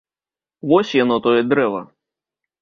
Вось яно, тое дрэва!